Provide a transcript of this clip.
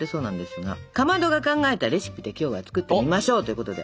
かまどが考えたレシピで今日は作ってみましょうということで。